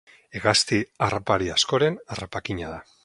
Hegazti harrapari askoren harrapakina da.